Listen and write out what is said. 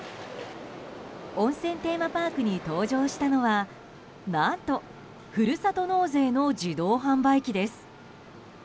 温泉テーマパークに登場したのは何と、ふるさと納税の自動販売機です。